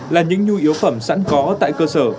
là những nhu yếu phẩm sẵn có tại cơ sở